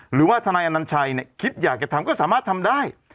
หรือว่าทนายอนัญชัยคิดอยากจะทำก็สามารถทำได้